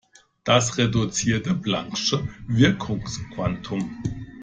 Das reduzierte plancksche Wirkungsquantum.